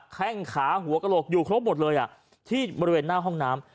แข้งขาหัวกระโหลกอยู่ครบหมดเลยที่บริเวณหน้าห้องน้ำ